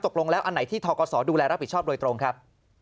ตกลงแล้วอันไหนที่ทกศดูแลรับผิดชอบโดยตรงครับ